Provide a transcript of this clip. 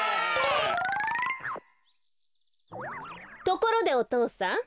ところでおとうさん。